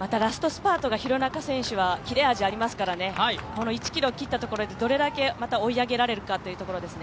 また、ラストスパートは廣中選手は切れ味がありますから、この１ｋｍ切ったところでどれだけ追い上げられるかというところですね。